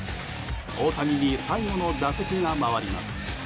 大谷に最後の打席が回ります。